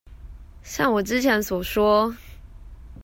像我之前所說